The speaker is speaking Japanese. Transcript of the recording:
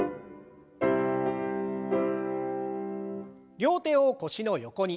両手を腰の横に。